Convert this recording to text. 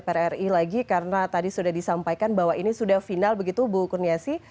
saya ke komisi sembilan dpr ri lagi karena tadi sudah disampaikan bahwa ini sudah final begitu bu kurniasi